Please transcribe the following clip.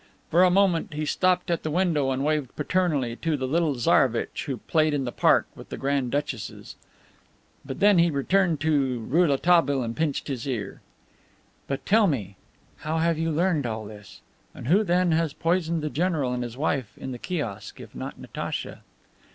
For a moment he stopped at the window and waved paternally to the little Tsarevitch, who played in the park with the grand duchesses. Then he returned to Rouletabille and pinched his ear. "But, tell me, how have you learned all this? And who then has poisoned the general and his wife, in the kiosk, if not Natacha?"